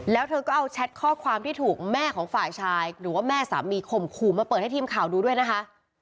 แล้วเธอก็เอาแชทข้อความที่ถูกแม่ของฝ่ายชายหรือว่าแม่สามีข่มขู่มาเปิดให้ทีมข่าวดูด้วยนะคะ